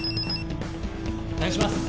お願いします！